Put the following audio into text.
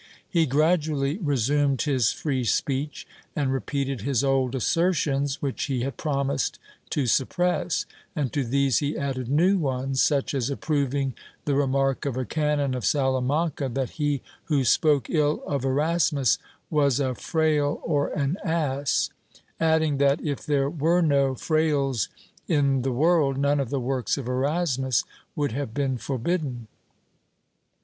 He gradually resumed his free speech and repeated his old assertions which he had promised to suppress, and to these he added new ones, such as approving the remark of a canon of Salamanca that he who spoke 1 Coleccion, II, 40 58. 166 PROPOSITIONS [Book VIII ill of Erasmus was a fraile or an ass, adding that, if there were no frailes in the world, none of the works of Erasmus would have been forbidden.